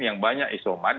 yang banyak isoman